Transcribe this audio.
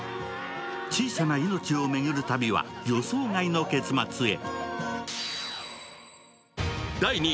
小さな命を巡る旅は予想外の結末へ。